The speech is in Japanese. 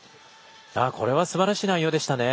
これはすばらしい内容でしたね。